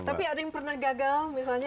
tapi ada yang pernah gagal misalnya